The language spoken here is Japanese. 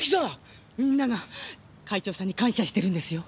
みんなが会長さんに感謝してるんですよ。